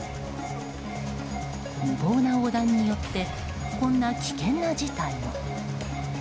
無謀な横断によってこんな危険な事態も。